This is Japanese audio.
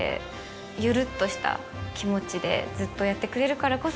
ゆるっとした気持ちでずっとやってくれるからこそ。